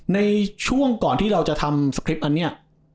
ในช่วงก่อนที่เราจะทำสคริปต์อันนี้